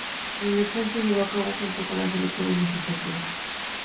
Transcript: La elección se llevó a cabo junto con las elecciones legislativas.